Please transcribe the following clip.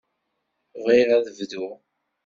Bɣiɣ ad bduɣ.